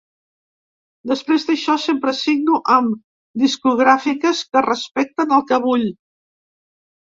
Després d’això sempre signo amb discogràfiques que respecten el que vull.